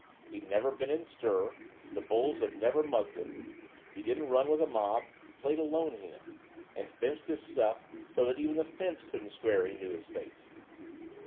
He'd never been in stir, the bulls had never mugged him, he didn't run with a mob, he played a lone hand, and fenced his stuff so that even the fence couldn't swear he knew his face.